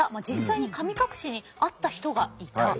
実際に神隠しにあった人がいた。